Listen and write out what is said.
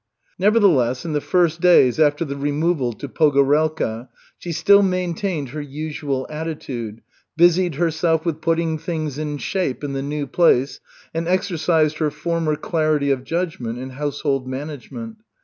Nevertheless, in the first days after the removal to Pogorelka, she still maintained her usual attitude, busied herself with putting things in shape in the new place, and exercised her former clarity of judgment in household management.